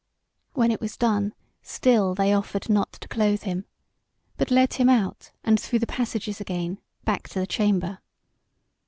When it was done, still they offered not to clothe him, but led him out, and through the passages again, back to the chamber.